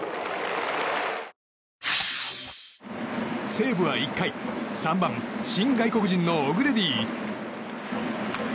西武は１回３番、新外国人のオグレディ。